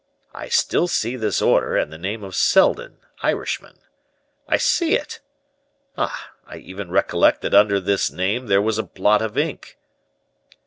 I still see this order and the name of Seldon, Irishman. I see it. Ah! I even recollect that under this name there was a blot of ink."